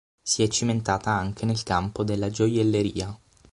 Si è cimentata anche nel campo della gioielleria.